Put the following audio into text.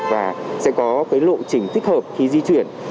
và sẽ có cái lộ trình thích hợp khi di chuyển